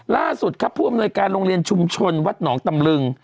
ล่าสุดครับผู้อำนวยการโรงเรียนชุมชนวัดหนองตำลึง